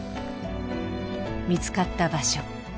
見つかった場所。